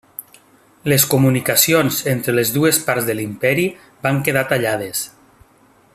Les comunicacions entre les dues parts de l'imperi van quedar tallades.